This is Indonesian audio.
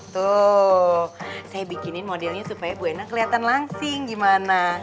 tuh saya bikinin modelnya supaya bu ena kelihatan langsing gimana